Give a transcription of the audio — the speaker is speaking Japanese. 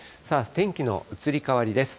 天気の移り変わりです。